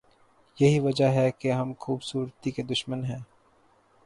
یہی وجہ ہے کہ ہم خوبصورتی کے دشمن ہیں۔